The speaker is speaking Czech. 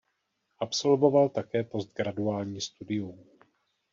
Absolvoval také postgraduální studium.